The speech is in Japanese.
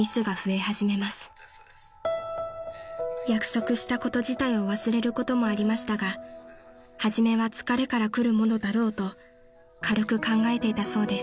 ［約束したこと自体を忘れることもありましたが初めは疲れからくるものだろうと軽く考えていたそうです］